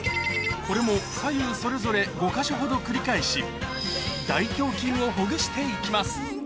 これも左右それぞれ５か所ほど繰り返し大胸筋をほぐして行きます